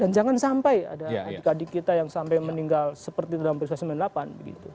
dan jangan sampai ada adik adik kita yang sampai meninggal seperti dalam perusahaan sembilan puluh delapan